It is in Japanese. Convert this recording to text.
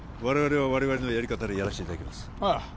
我々は我々のやり方でやらせていただきますああ